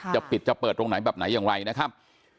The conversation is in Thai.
จะปิดจะเปิดตรงไหนแบบไหนอย่างไรนะครับ